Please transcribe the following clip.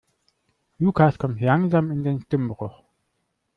Lukas kommt langsam in den Stimmbruch.